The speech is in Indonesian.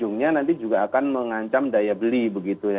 ujungnya nanti juga akan mengancam daya beli begitu ya